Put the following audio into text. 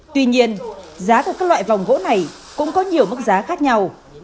tuy nhiên giá của các loại vòng gỗ này cũng có nhiều mức giá khác nhau